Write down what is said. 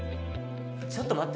ちょっと待って